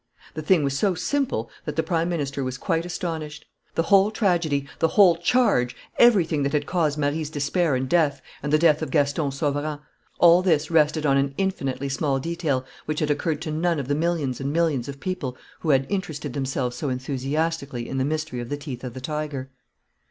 The thing was so simple that the Prime Minister was quite astonished. The whole tragedy, the whole charge, everything that had caused Marie's despair and death and the death of Gaston Sauverand: all this rested on an infinitely small detail which had occurred to none of the millions and millions of people who had interested themselves so enthusiastically in the mystery of the teeth of the tiger.